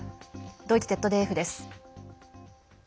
ドイツＺＤＦです。